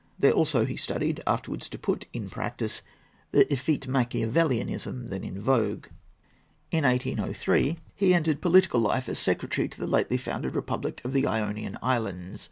There also he studied, afterwards to put in practice, the effete Machiavellianism then in vogue. In 1803 he entered political life as secretary to the lately founded republic of the Ionian Islands.